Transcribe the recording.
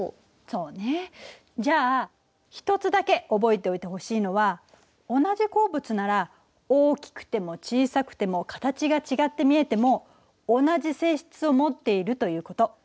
そうねじゃあ１つだけ覚えておいてほしいのは同じ鉱物なら大きくても小さくても形が違って見えても同じ性質を持っているということ。